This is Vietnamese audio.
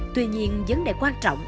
tuy nhiên vấn đề quan trọng